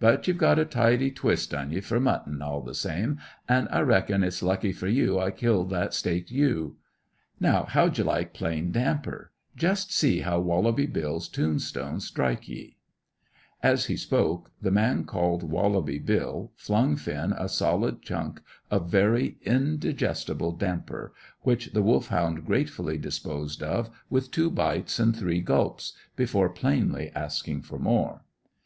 But you've got a tidy twist on ye for mutton, all the same, an' I reckon it's lucky for you I killed that staked ewe. Now, how d'ye like plain damper? Just see how Wallaby Bill's tombstones strike ye!" As he spoke, the man called Wallaby Bill flung Finn a solid chunk of very indigestible damper, which the Wolfhound gratefully disposed of with two bites and three gulps, before plainly asking for more.